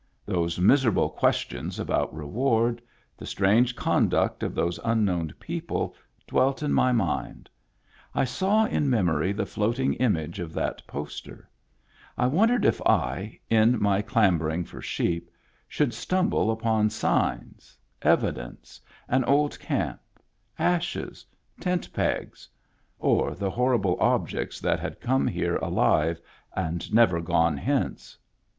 Those miserable questions about re ward, the strange conduct of those unknown people, dwelt in my mind. I saw in memory the floating image of that poster ; I wondered if I, in my clambering for sheep, should stumble upon signs — evidence — an old camp — ashes — tent pegs — or the horrible objects that had come here alive and never gone hence.